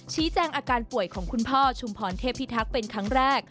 ชี้แจงอาการป่วยของคุณพ่อชุมพรเทพิทักษ์เป็นครั้งแรก